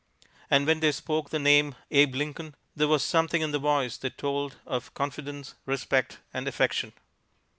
And when they spoke the name, "Abe Lincoln," there was something in the voice that told of confidence, respect and affection.